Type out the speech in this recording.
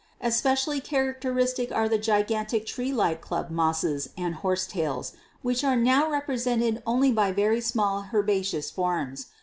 Especially characteristic are the gigantic tree like club mosses and horsetails, which are now represented only by very small herbaceous forms.